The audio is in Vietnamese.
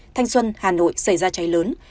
thanh xuân hà nội xảy ra cháy lớn